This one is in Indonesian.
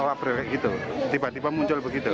awal april gitu tiba tiba muncul begitu